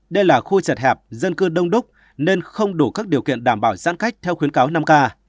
đây là khu chật hẹp dân cư đông đúc nên không đủ các điều kiện đảm bảo giãn cách theo khuyến cáo năm k